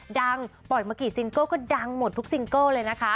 ดังปล่อยมากี่ซิงเกิลก็ดังหมดทุกซิงเกิลเลยนะคะ